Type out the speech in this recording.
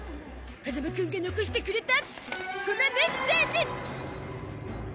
風間くんが残してくれたこのメッセージ！